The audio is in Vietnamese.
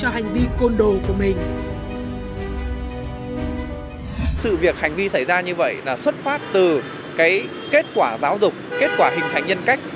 sự hành vi xảy ra như vậy là xuất phát từ kết quả giáo dục kết quả hình thành nhân cách